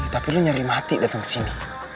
tapi lo nyari mati datang kesini